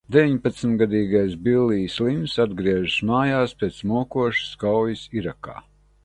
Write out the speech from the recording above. Deviņpadsmitgadīgais Billijs Linns atgriežas mājās pēc mokošas kaujas Irākā.